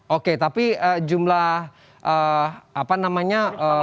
oke tapi jumlah apa namanya